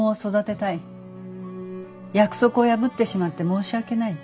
約束を破ってしまって申し訳ない」。